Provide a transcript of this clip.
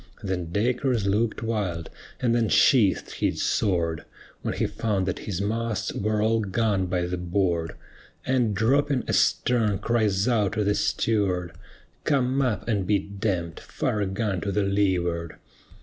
Then Dacres look'd wild, and then sheath'd his sword, When he found that his masts were all gone by the board, And dropping astern cries out to the steward, "Come up and be d d, fire a gun to the leeward."